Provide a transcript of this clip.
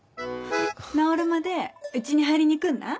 直るまでうちに入りに来んな？